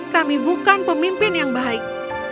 kami bukan pemimpin yang baik